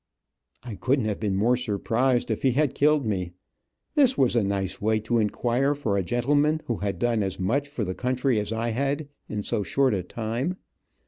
I couldn't have been more surprised if he had killed me. This was a nice way to inquire for a gentleman who had done as much for the country as I had, in so short a time.